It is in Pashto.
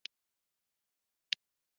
مصنوعي ځیرکتیا د معلوماتو ساتنه مهمه کوي.